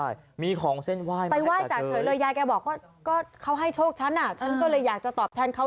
เจ๊กลุ่มกลับไปว่ายจากเฉยเลยยายแกบอกว่าเขาให้โชคฉันอ่ะฉันก็เลยอยากจะตอบแทนเขา